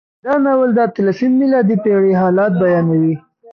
دا ناول د اتلسمې میلادي پېړۍ حالات بیانوي.